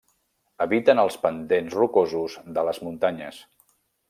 Habiten els pendents rocosos de les muntanyes.